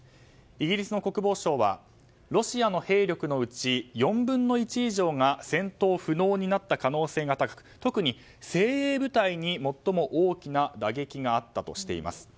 イギリスの国防省はロシアの兵力のうち４分の１以上が戦闘不能になった可能性が高く特に精鋭部隊に最も大きな打撃があったとしています。